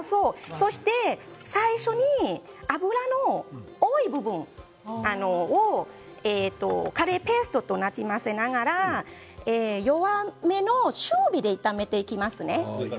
最初に油の多い部分をカレーペーストとなじませながら弱めの中火で炒めていきます。